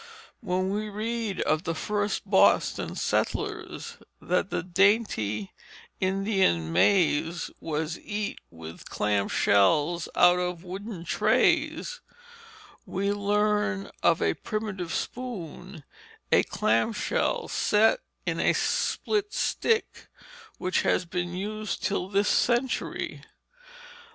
When we read of the first Boston settlers that "the dainty Indian maize was eat with clam shells out of wooden trays," we learn of a primitive spoon, a clam shell set in a split stick, which has been used till this century.